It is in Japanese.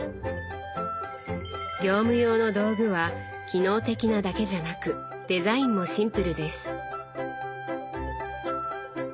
業務用の道具は機能的なだけじゃなくデザインもシンプルです。